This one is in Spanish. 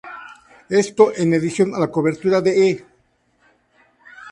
Esto en adición a la cobertura de E!